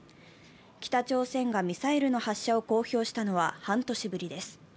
北朝鮮がミサイルの発射を公表したのは半年ぶりです。